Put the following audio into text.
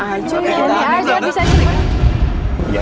tapi aneh aja bisa juga